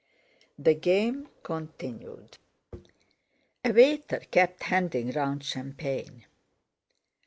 The game continued; a waiter kept handing round champagne.